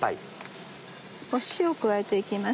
塩を加えて行きます。